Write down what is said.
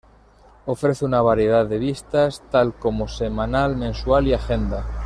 Ofrece una variedad de vistas, tal como semanal, mensual y agenda.